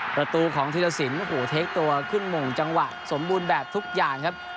ประตูของธีรสินโอ้โหเทคตัวขึ้นหม่งจังหวะสมบูรณ์แบบทุกอย่างครับ